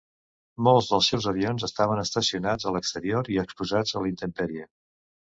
Molts dels seus avions estaven estacionats a l'exterior i exposats a la intempèrie.